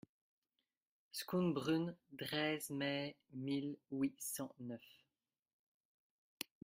Schoenbrunn, treize mai mille huit cent neuf.